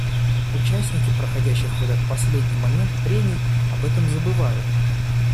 Участники проходящих в этот последний момент прений об этом забывают.